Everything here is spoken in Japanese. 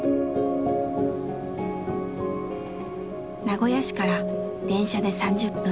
名古屋市から電車で３０分。